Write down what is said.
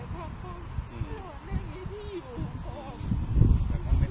นี่คือที่ถูกจึงช่วยวันหวานห้ามมาแม้วันเป็นแสงครอบคร่อง